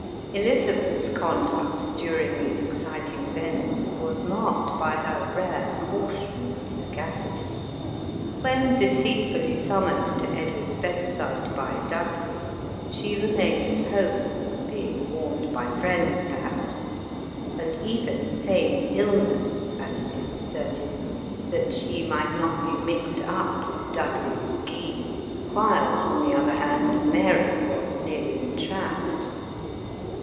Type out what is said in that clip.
Elizabeth's conduct, during these exciting events, was marked by her rare caution and sagacity. When deceitfully summoned to Edward's bedside by Dudley, she remained at home, being warned by friends per haps, and even feigned illness, as it is asserted, that sh« might not be mixed up with Dudley's scheme, while, on the other hand, Mary was nearly entrapped.